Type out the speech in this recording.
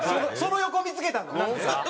その横見付けたぞ。